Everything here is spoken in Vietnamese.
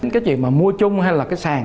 cái chuyện mà mua chung hay là cái sàn